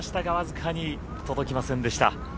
わずかに届きませんでした。